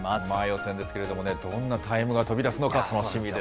予選ですけれどもね、どんなタイムが飛び出すのか、楽しみです。